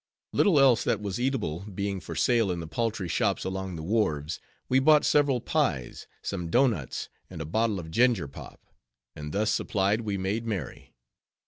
Little else that was eatable being for sale in the paltry shops along the wharves, we bought several pies, some doughnuts, and a bottle of ginger pop, and thus supplied we made merry.